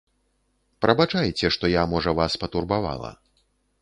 Прабачайце, што я, можа, вас патурбавала.